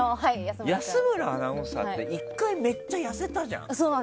安村アナウンサーって１回、めっちゃ痩せたじゃん。